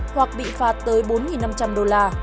hoặc bị phạt tới bốn năm trăm linh đô la